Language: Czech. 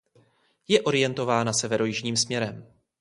Je orientována severojižním směrem.